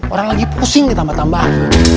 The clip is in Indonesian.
orang lagi pusing ditambah tambah